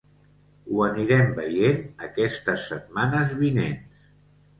Ho anirem veient aquestes setmanes vinents.